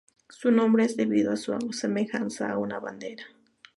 Su nombre es debido a su semejanza a una bandera.